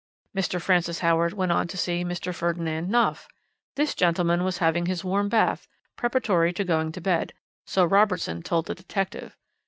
"Mr. Francis Howard went on to see Mr. Ferdinand Knopf. This gentleman was having his warm bath, preparatory to going to bed. So Robertson told the detective.